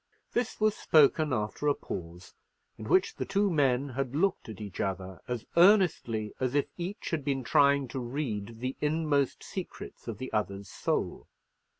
This was spoken after a pause, in which the two men had looked at each other as earnestly as if each had been trying to read the inmost secrets of the other's soul.